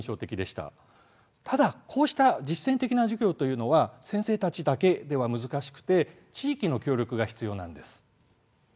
ただこうした実践的な授業は先生たちだけでは難しくて地域の協力が必要なんです。